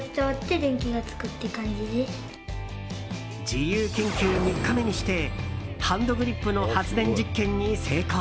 自由研究３日目にしてハンドグリップの発電実験に成功。